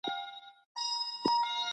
که باغونه جوړ کړو نو میوه نه کمیږي.